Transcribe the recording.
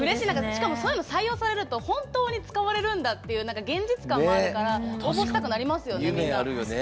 そういうの採用されると本当に採用されるんだって現実感もあるから応募したくなりますよね、みんな。